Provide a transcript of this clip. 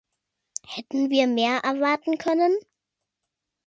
Hätten wir mehr erwarten können?